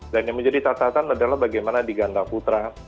yang menjadi catatan adalah bagaimana di ganda putra